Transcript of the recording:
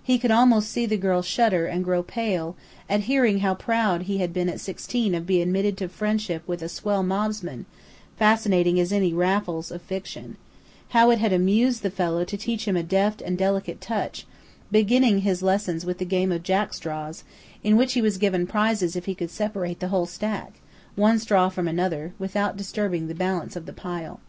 He could almost see the girl shudder and grow pale at hearing how proud he had been at sixteen of being admitted to friendship with a "swell mobsman" fascinating as any "Raffles" of fiction; how it had amused the fellow to teach him a deft and delicate touch, beginning his lessons with the game of jack straws, in which he was given prizes if he could separate the whole stack, one straw from another, without disturbing the balance of the pile.